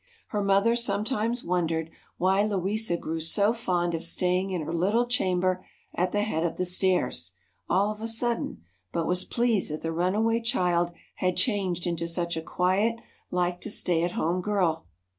Her mother sometimes wondered why Louisa grew so fond of staying in her little chamber at the head of the stairs, all of a sudden, but was pleased that the runaway child had changed into such a quiet, like to stay at home girl.